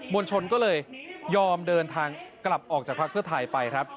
วลชนก็เลยยอมเดินทางกลับออกจากภักดิ์เพื่อไทยไปครับ